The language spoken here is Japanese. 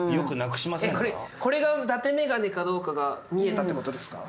これが伊達メガネかどうかが見えたって事ですか？